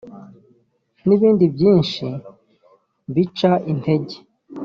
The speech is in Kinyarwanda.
n’ibindi byinshi bica intege